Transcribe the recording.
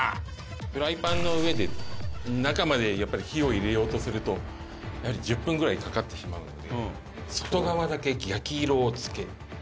「フライパンの上で中までやっぱり火を入れようとするとやはり１０分ぐらいかかってしまうので外側だけ焼き色を付ける」